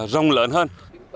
rông lớn hơn